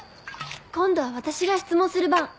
今度は私が質問する番。